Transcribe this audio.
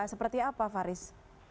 seperti apa faris